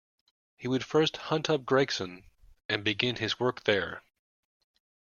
He would first hunt up Gregson and begin his work there.